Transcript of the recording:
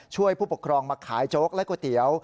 ผู้ปกครองมาขายโจ๊กและก๋วยเตี๋ยว